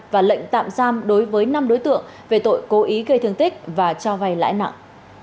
và lệnh tạm giam đối với năm đối tượng về tội cố ý gây thương tích và cho vay lãi nặng